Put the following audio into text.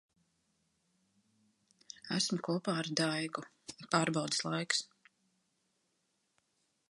Esmu kopā ar Daigu. Pārbaudes laiks.